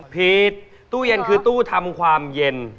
ตู้เย็นคือตู้ทำความเย็น